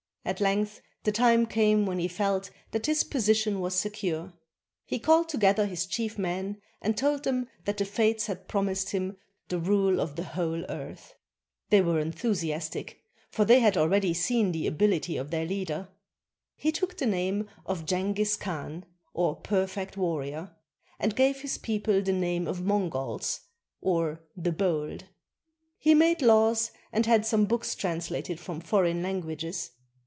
At length the time came when he felt that his position was secure. He called together his chief men and told them that the fates had promised him the rule of the whole earth. They were enthusiastic, for they had already seen the ability of their leader. He took the name of Jenghiz Khan, or " perfect warrior," and gave his people the name of Mongols, or "the bold." He made laws and had some books translated from foreign languages.